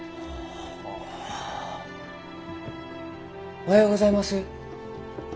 おはようございます。